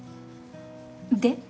で？